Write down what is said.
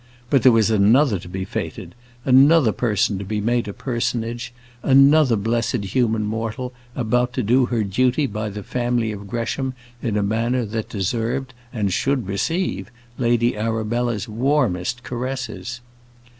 But there was another to be fêted, another person to be made a personage, another blessed human mortal about to do her duty by the family of Gresham in a manner that deserved, and should receive, Lady Arabella's warmest caresses.